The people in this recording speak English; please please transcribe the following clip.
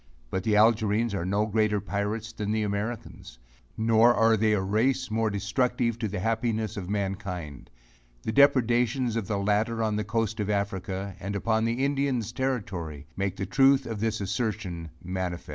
But, the Algerines are no greater pirates than the Americans; nor are they a race more destructive to the happiness to mankind. The depredations of the latter on the coast of Africa, and upon the Indians' Territory make the truth of this assertion manifest.